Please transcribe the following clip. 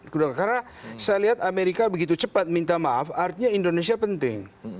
karena saya lihat amerika begitu cepat minta maaf artinya indonesia penting